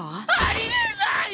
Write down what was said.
あり得ない！